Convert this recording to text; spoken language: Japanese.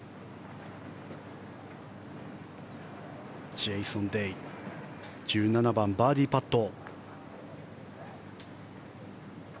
ジェイソン・デイ１７番、バーディーパット。